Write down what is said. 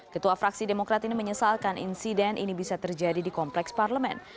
ketua fraksi demokrat ini menyesalkan insiden ini bisa terjadi di kompleks parlemen